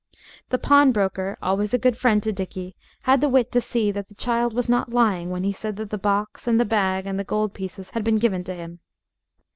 The pawnbroker, always a good friend to Dickie, had the wit to see that the child was not lying when he said that the box and the bag and the gold pieces had been given to him.